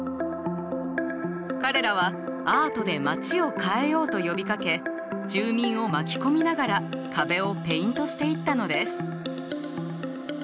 彼らはアートで街を変えようと呼びかけ住民を巻き込みながら壁をペイントしていったのです。